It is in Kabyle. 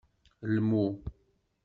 Lmu.